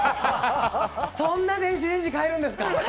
そんな電子レンジ買えるんですか。